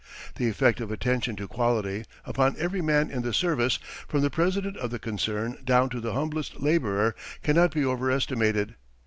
The effect of attention to quality, upon every man in the service, from the president of the concern down to the humblest laborer, cannot be overestimated.